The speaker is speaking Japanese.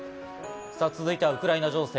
続いてウクライナ情勢。